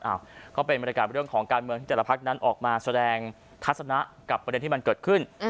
ก็เป็นบรรยากาศเรื่องของการเมืองที่แต่ละพักนั้นออกมาแสดงทัศนะกับประเด็นที่มันเกิดขึ้น